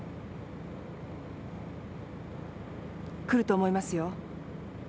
来ると思いますよ。